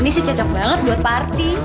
ini sih cocok banget buat party